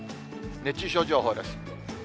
熱中症情報です。